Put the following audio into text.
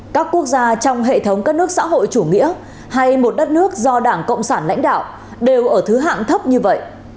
các quốc gia trong hệ thống các nước xã hội chủ nghĩa hay một đất nước do đảng cộng sản lãnh đạo đều ở thứ hạng thấp như vậy